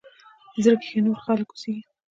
زړه کښې نور خلق اوسيږي